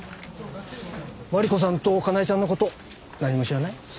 万里子さんとかなえちゃんの事何も知らない？